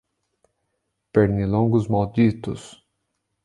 Pernilongos malditos